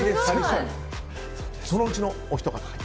そのうちのお一方。